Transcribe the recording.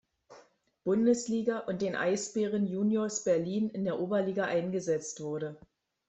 Bundesliga und den Eisbären Juniors Berlin in der Oberliga eingesetzt wurde.